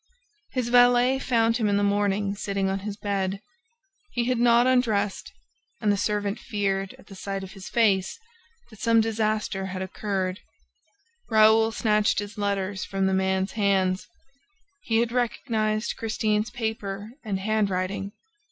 ... His valet found him in the morning sitting on his bed. He had not undressed and the servant feared, at the sight of his face, that some disaster had occurred. Raoul snatched his letters from the man's hands. He had recognized Christine's paper and hand writing.